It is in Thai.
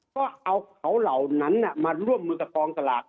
ก็เอาเขาเหล่านั้นมาร่วมมือกับกองสลาก